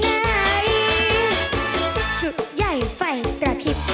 ชุดใยไฟประพิบ